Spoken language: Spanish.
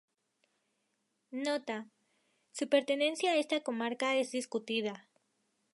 Nota: su pertenencia a esta comarca es discutida.